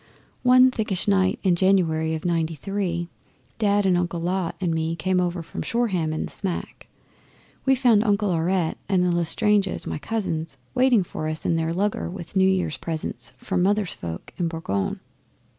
One thickish night in January of 'Ninety three, Dad and Uncle Lot and me came over from Shoreham in the smack, and we found Uncle Aurette and the L'Estranges, my cousins, waiting for us in their lugger with New Year's presents from Mother's folk in Boulogne.